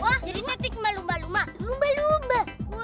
wah jadi ngetik melumba lumba lumba lumba